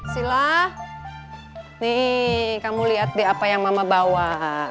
sila nih kamu lihat di apa yang mama bawa